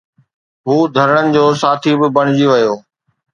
هو ڌرڻن جو ساٿي به بڻجي ويو.